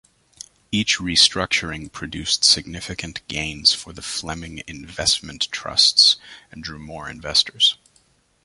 Each restructuring produced significant gains for the Fleming investment trusts and drew more investors.